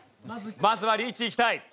まずはリーチいきたい。